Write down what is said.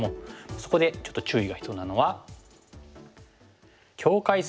そこでちょっと注意が必要なのは。